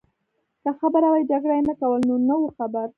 که خبر وای جګړه يې نه کول، نو نه وو خبر.